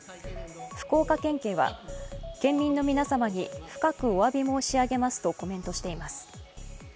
福岡県警は、県民の皆様に深くおわび申し上げますとコメントしています。